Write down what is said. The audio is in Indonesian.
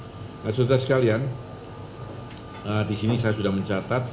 saudara saudara sekalian di sini saya sudah mencatat